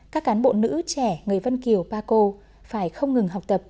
các cán bộ nữ trẻ người vân kiều bà cô phải không ngừng học tập